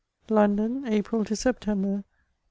London, April to September, 1822.